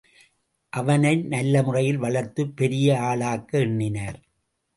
அவனை நல்லமுறையில் வளர்த்துப் பெரிய ஆளாக்க எண்ணினார்.